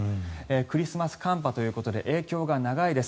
クリスマス寒波ということで影響が長いです。